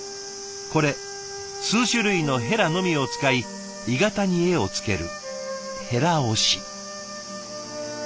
これ数種類の箆のみを使い鋳型に絵をつける箆押し。